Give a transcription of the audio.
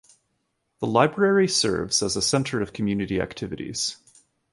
The library serves as a center of community activities.